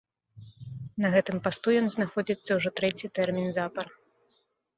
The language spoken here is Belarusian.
На гэтым пасту ён знаходзіцца ўжо трэці тэрмін запар.